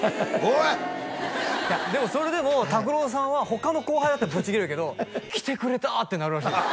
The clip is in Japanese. いやでもそれでもＴＡＫＵＲＯさんは他の後輩だったらぶち切れるけど来てくれたってなるらしいです